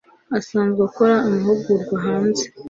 asanzwe akora amahugurwa hanze